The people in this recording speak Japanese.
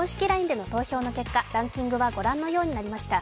ＬＩＮＥでの投票の結果、ランキングはご覧のようになりました。